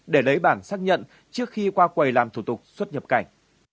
để lấy bản xác nhận trước khi qua quầy làm thủ tục xuất nhập cảnh